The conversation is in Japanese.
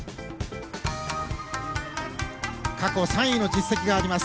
過去３位の実績があります。